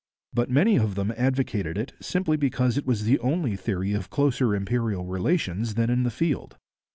But many of them advocated it simply because it was the only theory of closer imperial relations then in the field.